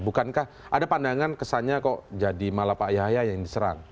bukankah ada pandangan kesannya kok jadi malah pak yahya yang diserang